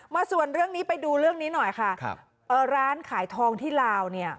ส่วนเรื่องนี้ไปดูเรื่องนี้หน่อยค่ะครับเอ่อร้านขายทองที่ลาวเนี่ย